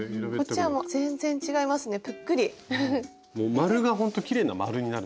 丸がほんときれいな丸になる。